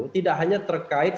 tidak hanya terkait